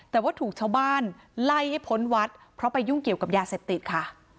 แต่ว่าถูกชาวบ้านไล่ให้พ้นวัดเพราะไปยุ่งเกี่ยวกับยาเสพติดค่ะ